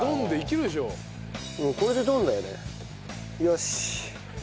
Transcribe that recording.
よし。